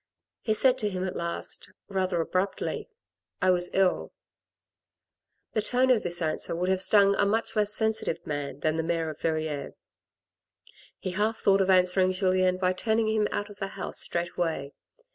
He said to him at last, rather abruptly, " I was ill." The tone of this answer would have stung a much less sensitive man than the mayor of Verrieres. He half thought of answering Julien by turning him out of the house straight away.